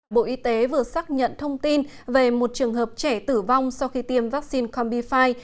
bộ y tế vừa xác nhận thông tin về một trường hợp trẻ tử vong sau khi tiêm vaccine combi fi